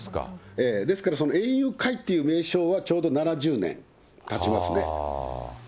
ええ、ですから園遊会という名称はちょうど７０年たちますね。